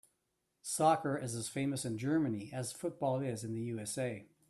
Soccer is as famous in Germany as football is in the USA.